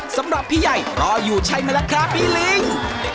สำหรับพี่ใหญ่รออยู่ใช่ไหมล่ะครับพี่ลิง